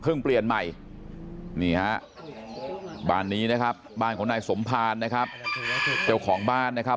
เปลี่ยนใหม่นี่ฮะบ้านนี้นะครับบ้านของนายสมภารนะครับเจ้าของบ้านนะครับ